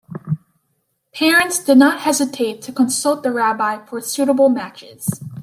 Parents did not hesitate to consult the rabbi for suitable matches.